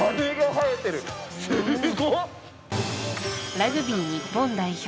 ラグビー日本代表